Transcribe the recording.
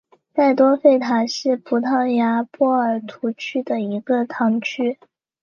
塞多费塔是葡萄牙波尔图区的一个堂区。